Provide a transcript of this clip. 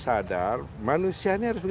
sadar manusia ini harus